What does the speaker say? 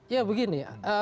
ya begini ya